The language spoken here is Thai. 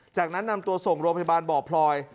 จากนั้นนำตัวส่งโรงพยาบาลบ่อพลอย